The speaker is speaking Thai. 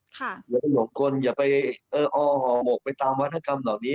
อย่าไปหลงกลอย่าไปอ้อหอหกไปตามวัฒนกรรมเหล่านี้